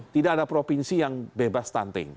tidak ada provinsi yang bebas stunting